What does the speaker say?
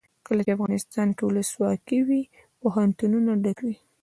کله چې افغانستان کې ولسواکي وي پوهنتونونه ډک وي.